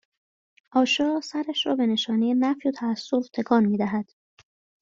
آشا سرش را به نشانهی نفی و تأسف تکان میدهد